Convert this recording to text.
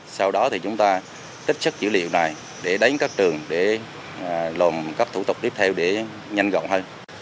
sau đó thì chúng ta tích sức dữ liệu này để đánh các trường để lồn cấp thủ tục tiếp theo để nhanh gọn hơn